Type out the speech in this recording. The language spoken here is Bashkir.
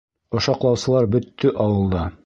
Ошаҡлаусылар бөттө ауылда.